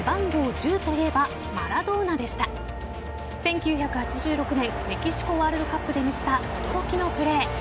１９８６年メキシコワールドカップで見せた驚きのプレー。